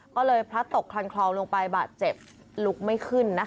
ก็เลยพลัดตกคลันคลองลงไปบาดเจ็บลุกไม่ขึ้นนะคะ